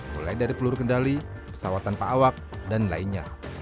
mulai dari peluru kendali pesawat tanpa awak dan lainnya